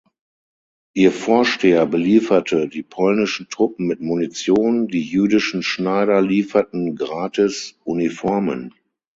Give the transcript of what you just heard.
Ihr Vorsteher belieferte die polnischen Truppen mit Munition, die jüdischen Schneider lieferten gratis Uniformen.